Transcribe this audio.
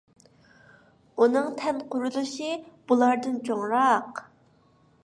ئۇنىڭ تەن قۇرۇلۇشى بۇلاردىن چوڭراق.